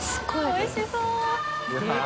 おいしそう。